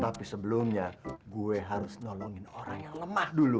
tapi sebelumnya gue harus nolongin orang yang lemah dulu